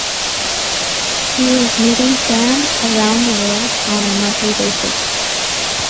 He is meeting fans around the world on a monthly basis.